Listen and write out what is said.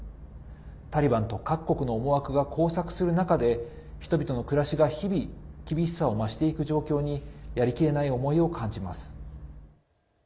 タリバンと各国の思惑が交錯する中で人々の暮らしが日々、厳しさを増していく状況にやりきれない思いを感じます。